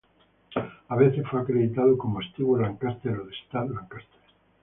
A veces fue acreditado como Stewart Lancaster o Stud Lancaster.